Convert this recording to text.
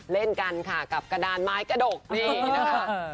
เล่นกันกับกระดานไม้กระโดกนี้